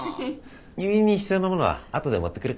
入院に必要なものは後で持ってくるから。